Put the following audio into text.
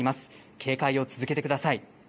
警戒を続けてください。